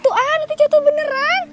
tuh anu jatuh beneran